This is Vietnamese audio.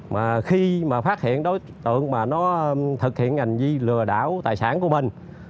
mà khi mà phát hiện đối tượng mà nó thực hiện ngành gì lừa đảo tài sản của mình